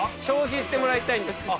消費してもらいたいんです。